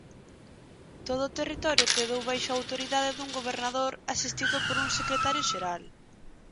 Todo o territorio quedou baixo a autoridade dun gobernador asistido por un secretario xeral.